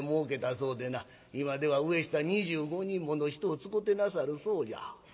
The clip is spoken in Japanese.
今では上下２５人もの人を使てなさるそうじゃ」。